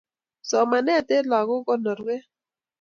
Somanet eng' lakok ko konorwet